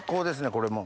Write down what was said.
これもう。